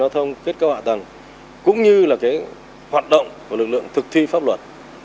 hoa thông kết cấu hạ tầng cũng như là cái hoạt động của lực lượng thực thi pháp luật